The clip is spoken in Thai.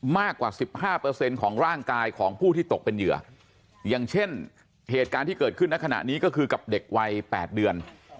มากกว่า๑๕ของร่างกายของผู้ที่ตกเป็นเหยื่ออย่างเช่นเหตุการณ์ที่เกิดขึ้นในขณะนี้ก็คือกับเด็กวัย๘เดือน